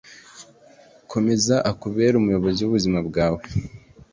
komeza akubere umuyobozi w'ubuzima bwawe